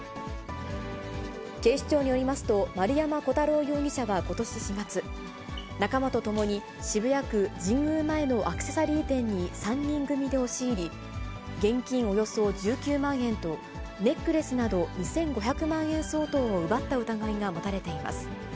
警視庁によりますと、丸山虎太郎容疑者はことし４月、仲間とともに渋谷区神宮前のアクセサリー店に３人組で押し入り、現金およそ１９万円と、ネックレスなど、２５００万円相当を奪った疑いが持たれています。